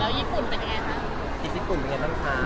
ญี่ปุ่นเป็นไงนะคะ